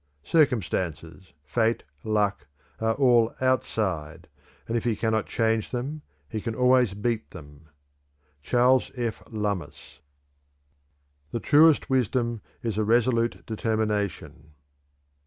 Circumstances, 'Fate,' 'Luck,' are all outside; and if he cannot change them, he can always beat them." Charles F. Lummis. "The truest wisdom is a resolute determination."